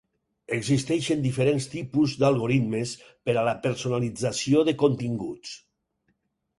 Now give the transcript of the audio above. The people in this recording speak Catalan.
Existeixen diferents tipus d'algoritmes per a la personalització de continguts.